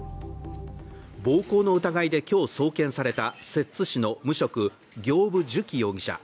暴行の疑いで今日送検された摂津市の無職、行歩寿希容疑者。